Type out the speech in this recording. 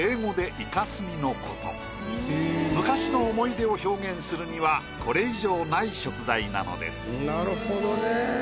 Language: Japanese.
昔の思い出を表現するにはこれ以上ない食材なのです。